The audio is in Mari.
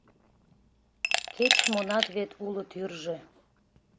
Кеч-монат вет уло тӱржӧ!